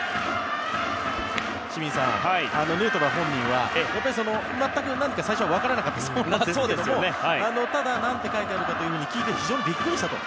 清水さん、ヌートバー本人は全く最初は分からなかったそうですがただ、何て書いてあるかと聞いて非常にビックリしたと。